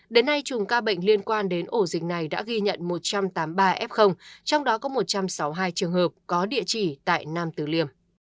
đến nay chùm ca bệnh liên quan đến ổ dịch này đã ghi nhận một trăm tám mươi ba f trong đó có một trăm sáu mươi hai trường hợp có địa chỉ tại nam tử liêm